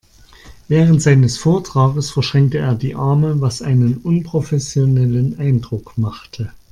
Während seines Vortrages verschränkte er die Arme, was einen unprofessionellen Eindruck machte.